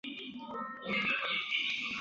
没有复原的方法